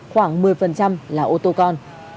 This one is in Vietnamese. khoảng một mươi là ô tô con